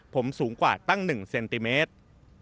ผมสูงกว่าตั้ง๑เซนติเมตร